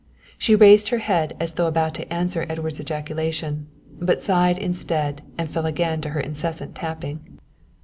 She raised her head as though about to answer Edward's ejaculation but sighed instead and fell again to her incessant tapping.